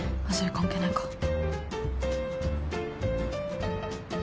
それ関係ないか